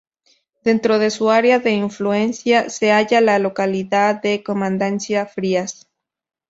Dentro de su área de influencia se halla la localidad de Comandancia Frías.